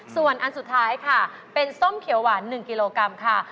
ส่วนอันสุดท้ายค่ะเป็นส้มเขียวหวาน๑กิโลกรัมค่ะ